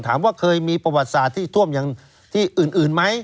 ถามว่าเคยมีประวัติศาสตร์ที่ท่วมอย่างที่อื่นไหม